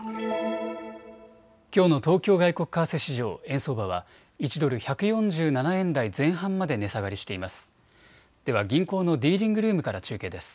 きょうの東京外国為替市場円相場は１ドル１４７円台前半まで値下がりしています。